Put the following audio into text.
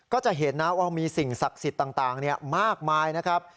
ก็จะเห็นนะว่ามีสิ่งศักดิ์สิทธิ์ต่างมากมายนะครับ